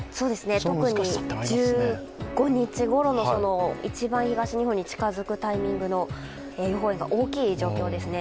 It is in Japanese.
特に１５日ごろの一番東の方に近づくタイミングの大きい状況ですね。